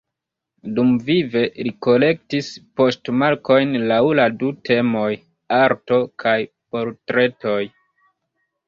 Dumvive li kolektis poŝtmarkojn laŭ du temoj: ""Arto"" kaj ""Portretoj"".